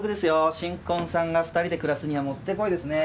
新婚さんが２人で暮らすにはもってこいですね。